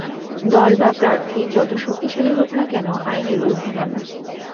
দল বা প্রার্থী যত শক্তিশালী হোক না কেন, আইনের ঊর্ধ্বে নন।